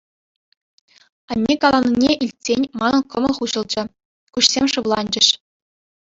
Анне каланине илтсен манӑн кӑмӑл хуҫӑлчӗ, куҫсем шывланчӗҫ.